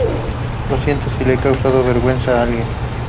Lo siento si he causado vergüenza a alguien.